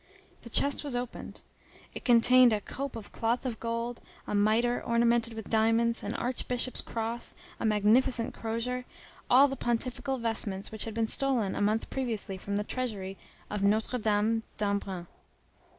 The chest was opened; it contained a cope of cloth of gold, a mitre ornamented with diamonds, an archbishop's cross, a magnificent crosier,—all the pontifical vestments which had been stolen a month previously from the treasury of Notre Dame d'Embrun.